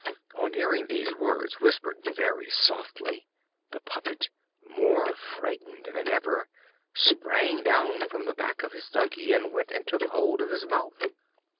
On hearing these words whispered very softly, the puppet, more frightened than ever, sprang down from the back of his donkey and went and took hold of his mouth.